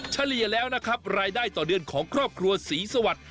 เฉลี่ยแล้วนะครับรายได้ต่อเดือนของครอบครัวศรีสวัสดิ